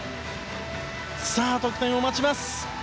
得点を待ちます。